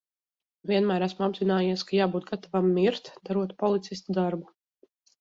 Vienmēr esmu apzinājies, ka jābūt gatavam mirt, darot policista darbu.